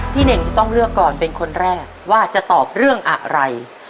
เน่งจะต้องเลือกก่อนเป็นคนแรกว่าจะตอบเรื่องอะไร